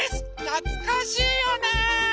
なつかしいよね。